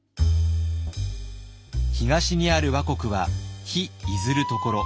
東にある倭国は「日出ずる処」。